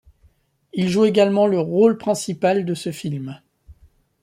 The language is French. Il joue également le rôle principal de ce film.